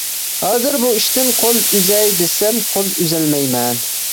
ھازىر بۇ ئىشتىن قول ئۈزەي دېسەم قول ئۈزەلمەيمەن.